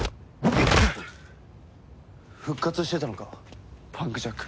復活してたのかパンクジャック。